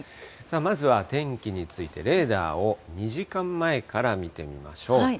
まずは天気について、レーダーを２時間前から見てみましょう。